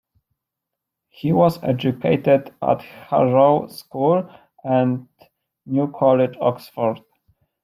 He was educated at Harrow School and New College, Oxford.